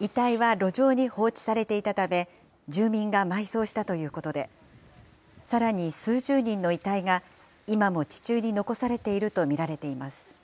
遺体は路上に放置されていたため、住民が埋葬したということで、さらに数十人の遺体が今も地中に残されていると見られています。